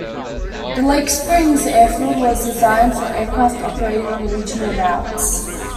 The Lake Springs airfield was designed for aircraft operating on regional routes.